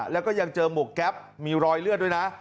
แล้วก็ยังเจอหมวกแก๊ปมีรอยเลือดด้วยนะ